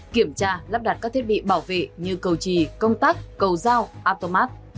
kiểm tra lắp đặt các thiết bị bảo vệ như cầu chì công tắc cầu dao automat